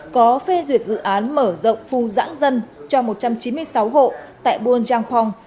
có phê duyệt dự án mở rộng phu giãn dân cho một trăm chín mươi sáu hộ tại buôn giang phong